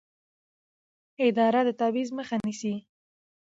اداره د تبعیض مخه نیسي.